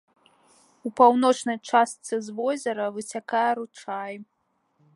У паўночнай частцы з возера выцякае ручай.